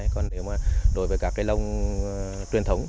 còn nếu mà đối với các cái lồng truyền thống